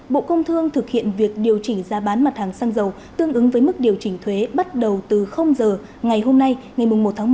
bộ công thương thực hiện việc điều chỉnh giá bán mặt hàng xăng dầu tương ứng với mức điều chỉnh thuế bắt đầu từ giờ ngày hôm nay ngày một một hai nghìn hai mươi ba